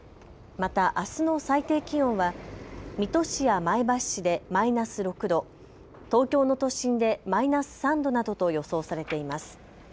また、あすの最低気温は水戸市や前橋市でマイナス６度、東京の都心でマイナス３度などと予想されています。